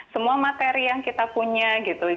semua materi yang kita punya gitu